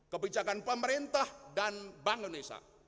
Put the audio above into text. kebijakan pemerintah dan bank indonesia